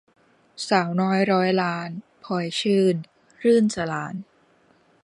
สาวน้อยร้อยล้าน - พลอยชื่น-รื่นสราญ